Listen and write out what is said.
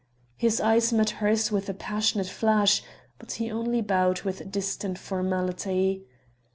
His eyes met hers with a passionate flash, but he only bowed with distant formality.